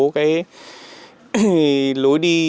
cái lối đi